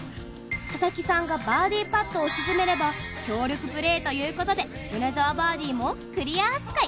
佐々木さんがバーディーパットを沈めれば協力プレーということで米澤バーディーもクリア扱い。